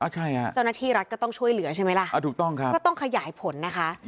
เจ้าหน้าที่รัฐก็ต้องช่วยเหลือใช่ไหมล่ะก็ต้องขยายผลนะคะ